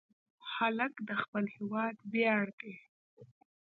هلک د خپل هېواد ویاړ دی.